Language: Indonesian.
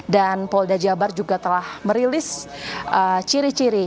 dan paul dajabar juga telah merilis ciri ciri